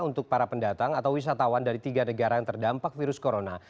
untuk para pendatang atau wisatawan dari tiga negara yang terdampak virus corona